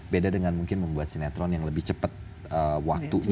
beda dengan mungkin membuat sinetron yang lebih cepat waktunya